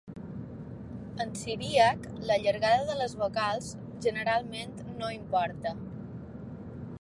En siríac, la llargada de les vocals generalment no importa.